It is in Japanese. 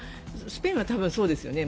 スペインは多分そうですよね。